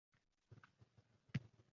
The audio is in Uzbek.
Ichgan bilan